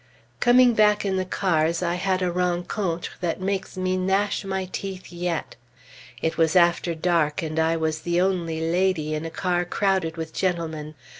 Coming back in the cars, I had a rencontre that makes me gnash my teeth yet. It was after dark, and I was the only lady in a car crowded with gentlemen.